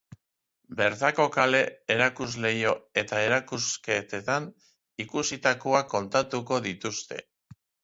Bertako kale, erakusleiho eta erakusketetan ikusitakoak kontatuko dituzte.